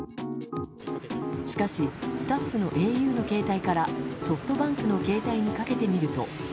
しかし、スタッフのａｕの携帯からソフトバンクの携帯にかけてみると。